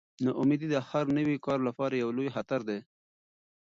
ناامیدي د هر نوي کار لپاره یو لوی خطر دی.